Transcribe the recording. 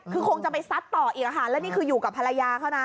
คือคงจะไปซัดต่ออีกค่ะแล้วนี่คืออยู่กับภรรยาเขานะ